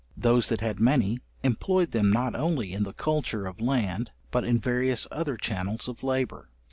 Those that had many, employed them not only in the culture of land, but in various other channels of labour.